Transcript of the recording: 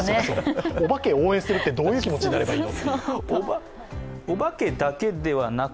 お化けを応援するってどういう気持ちでやればいいの。